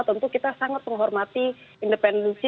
tentu kita sangat menghormati independensi